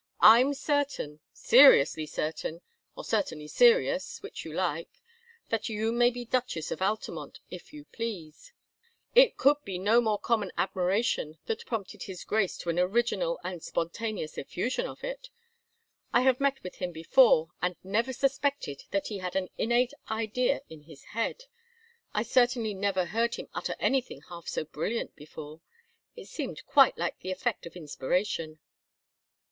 I'm certain, seriously certain, or certainly serious, which you like, that you may be Duchess of Altamont, if you please. It could be no common admiration that prompted his Grace to an original and spontaneous effusion of it. I have met with him before, and never suspected that he had an innate idea in his head. I certainly never heard him utter anything half so brilliant before it seemed quite like the effect of inspiration."